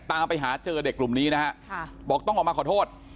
ตามไปหาเจอเด็กกลุ่มนี้นะฮะบอกต้องออกมาขอโทษ